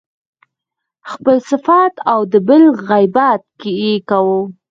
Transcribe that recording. خپل صفت او د بل غیبت يې کاوه.